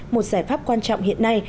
một giải pháp quan trọng hiện nay